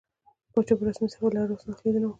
پاچا په رسمي سفر له عربستان څخه ليدنه وکړه.